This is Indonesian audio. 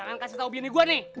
jangan kasih tahu bini gue nih